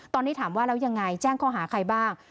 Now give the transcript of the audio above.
ตอนนี้ถามว่าแล้วยังไงแจ้งข้อหาใครบ้าง